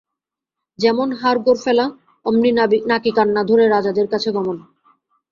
যেমন হাড়গোড় ফেলা, অমনি নাকিকান্না ধরে রাজাদের কাছে গমন।